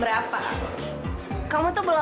warna apa mulher